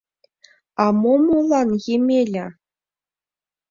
— А Момолан Емеля?